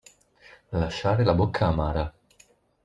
Lasciare la bocca amara.